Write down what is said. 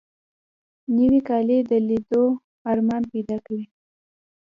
نوې کلی د لیدو ارمان پیدا کوي